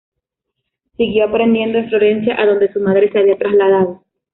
Siguió aprendiendo en Florencia, adonde su madre se había trasladado.